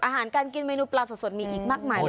อาหารการกินเมนูปลาสดมีอีกมากมายเลย